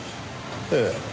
ええ。